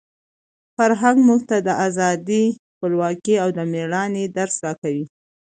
فرهنګ موږ ته د ازادۍ، خپلواکۍ او د مېړانې درس راکوي.